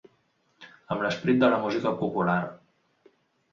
Amb l’esperit de la música popular.